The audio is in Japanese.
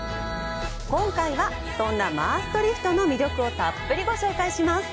今回は、そんなマーストリヒトの魅力をたっぷり紹介します！